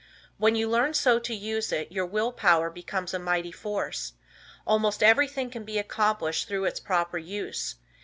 When you learn so to use it, your Will Power becomes a mighty force. Almost everything can be accomplished through its proper use.